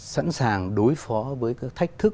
sẵn sàng đối phó với các thách thức